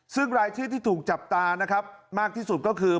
ซึ่งรายชื่อที่ถูกจับตานะครับมากที่สุดก็คือ